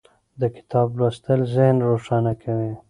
د کتاب لوستل ذهن روښانه کوي.